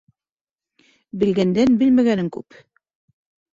Белгәндән белмәгәнең күп.